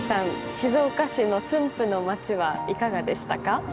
静岡市の駿府の町はいかがでしたか？